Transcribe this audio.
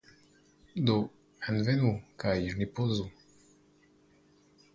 Do envenu, kaj ripozu